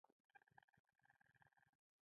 موخې ته تر رسېدو مخکې يې ډېرې سختۍ ګاللې دي.